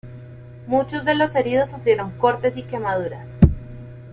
Muchos de los heridos sufrieron cortes y quemaduras.